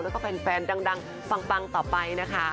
แล้วก็แฟนดังปังต่อไปนะคะ